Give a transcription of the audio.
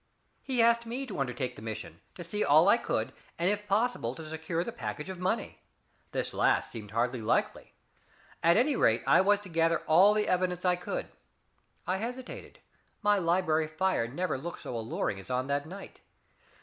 He asked me to undertake the mission, to see all I could, and if possible to secure the package of money. This last seemed hardly likely. At any rate, I was to gather all the evidence I could. I hesitated. My library fire never looked so alluring as on that night.